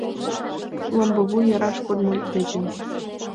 Ломбо вуй яраш кодмо дечын